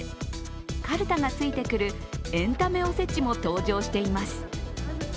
かるたがついてくるエンタメお節も登場しています。